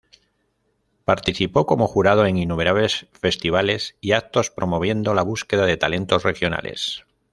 Participó como jurado en innumerables festivales y actos promoviendo la búsqueda de talentos regionales.